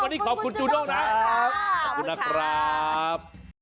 วันนี้ขอบคุณจูด้งนะครับขอบคุณนะครับ